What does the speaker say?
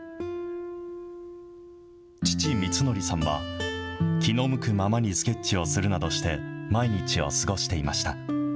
父、みつのりさんは、気の向くままにスケッチをするなどして、毎日を過ごしていました。